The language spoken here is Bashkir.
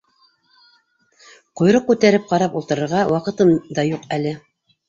Ҡойроҡ күтәреп ҡарап ултырырға ваҡытым да юҡ әле!